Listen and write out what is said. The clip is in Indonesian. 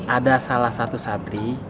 ada salah satu santri